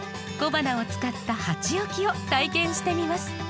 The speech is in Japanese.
小花を使った鉢置きを体験してみます。